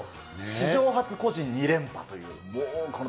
史上初個人２連覇という。